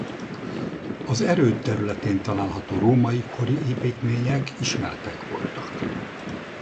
Az erőd területén található római kori építmények ismertek voltak.